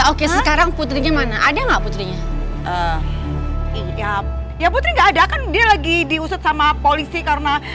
sukses bikin hidup ibu tuh sekesara